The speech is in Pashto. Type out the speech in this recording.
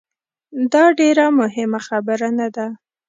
داډیره مهمه خبره نه ده